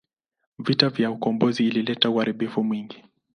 Vita ya ukombozi ilileta uharibifu mwingi.